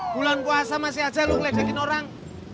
bulan puasa masih aja lo ngeledakin orang